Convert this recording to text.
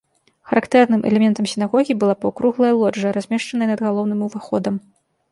Характэрным элементам сінагогі была паўкруглая лоджыя, размешаная над галоўным уваходам.